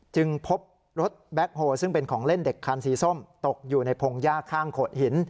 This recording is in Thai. จึงพบรถแบ็คโฮลซึ่งเป็นของเล่นเด็กคันสีส้มตกอยู่ในพงหญ้าข้างโขดหิน